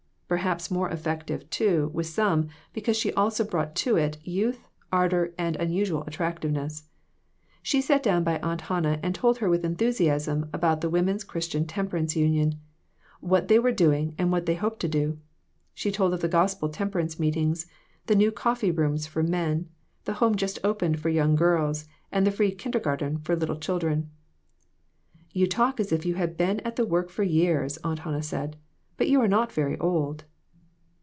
Per haps more effective, too, with some, because she also brought to it youth, ardor and unusual attractiveness. She sat down by Aunt Hannah and told her with enthusiasm about the Woman's Christian Temperance Union what they were doing and what they hoped to do. She told of the gospel temperance meetings, the new coffee rooms for men, the home just opened for young girls, and the free kindergarten for little children. "You talk as if you had been at the work for years," Aunt Hannah said; "but you are not very old."